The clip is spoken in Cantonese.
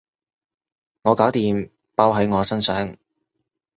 我搞掂，包喺我身上